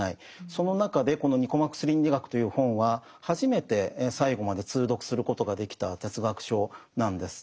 その中でこの「ニコマコス倫理学」という本は初めて最後まで通読することができた哲学書なんです。